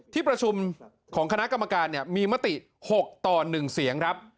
ที่ประชุมของคณะกรรมการมีมติ๖ต่อ๑เสียงครับ